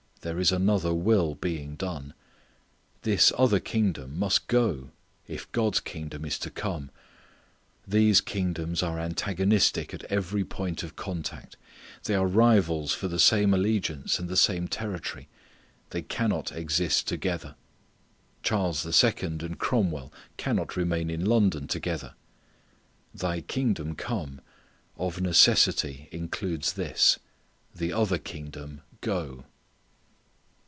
There is another will being done. This other kingdom must go if God's kingdom is to come. These kingdoms are antagonistic at every point of contact. They are rivals for the same allegiance and the same territory. They cannot exist together. Charles II and Cromwell cannot remain in London together. "Thy kingdom come," of necessity includes this, "the other kingdom go."